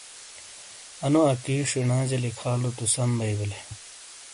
انو اکی ݜینا جا لکھا لو تو سام بئی بیلی ۔